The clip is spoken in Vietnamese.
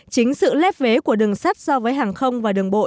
chính sự lép vế của đường sắt so với hàng không và đường bộ